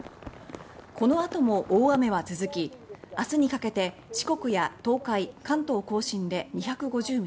この後も大雨は続きあすにかけて四国や東海関東甲信で２５０ミリ